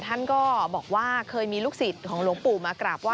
ท่านก็บอกว่าเคยมีลูกศิษย์ของหลวงปู่มากราบไห